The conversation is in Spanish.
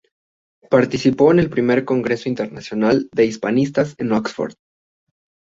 Participó en el Primer Congreso Internacional de Hispanistas en Oxford.